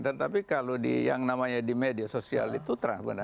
tetapi kalau yang namanya di media sosial itu terang beneran